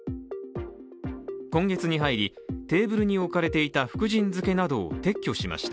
今月に入り、テーブルに置かれていた福神漬などを撤去しました。